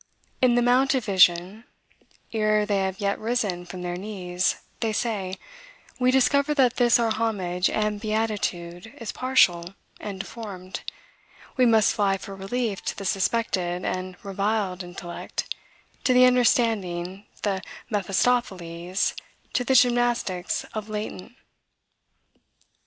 In the mount of vision, ere they have yet risen from their knees, they say, "We discover that this our homage and beatitude is partial and deformed; we must fly for relief to the suspected and reviled Intellect, to the Understanding, the Mephistopheles, to the gymnastics of latent."